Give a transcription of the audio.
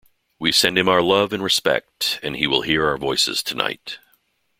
We send him our love and respect, and he will hear our voices tonight.